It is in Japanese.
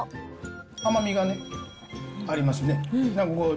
甘みがね、ありますね。